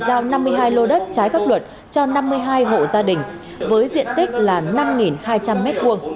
giao năm mươi hai lô đất trái pháp luật cho năm mươi hai hộ gia đình với diện tích là năm hai trăm linh m hai